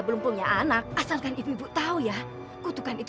teruslah pak también terima kasih